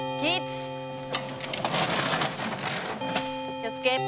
気をつけ！